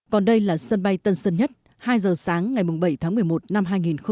còn đây là sân bay tân sân nhất hai giờ sáng ngày bảy tháng một mươi một năm hai nghìn một mươi chín